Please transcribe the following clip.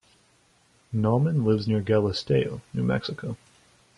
Nauman lives near Galisteo, New Mexico.